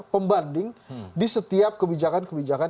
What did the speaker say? pembanding di setiap kebijakan kebijakan